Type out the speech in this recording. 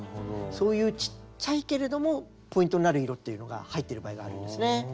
そういうちっちゃいけれどもポイントになる色っていうのが入ってる場合がありますね。